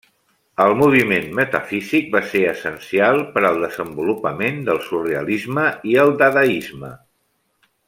El moviment metafísic va ser essencial per al desenvolupament del surrealisme i el dadaisme.